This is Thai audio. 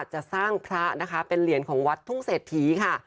จะสร้างพระนะคะเป็นเหรียญของวัดทุ่งเศรษฐีค่ะ